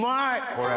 これ。